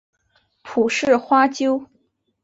蒲氏花楸